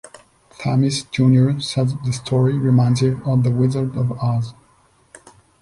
Thammis junior says the story reminds him of "The Wizard of Oz".